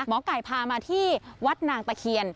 หมอไก่พามาที่วัดนางตะเคียน